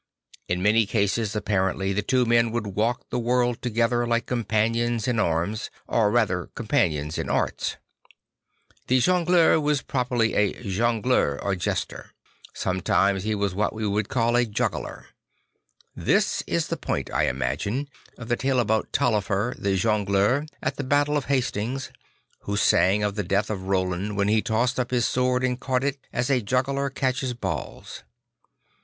In many cases apparently the two men would walk the world together like companions in arms, or rather companions in arts. The jongleur was properly a joculator or jester; sometimes he \vas what we should call a juggler. This is the point, I iInagine, of the tale about Taillefer the Jongleur at the battle of Hastings, who sang of the death of Roland while he tossed up his sword and caught it, as a juggler catches balls.